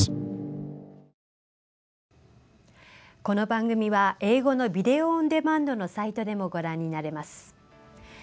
この番組は英語のビデオオンデマンドのサイトでもご覧になれます。